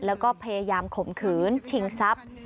แล้วก็พยายามข่มขืนชิงทรัพย์